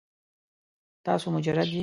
تاسو مجرد یې؟